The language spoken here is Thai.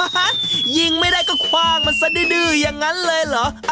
ฮะยิงไม่ได้ก็คว่างมันซะดื้ออย่างนั้นเลยเหรอ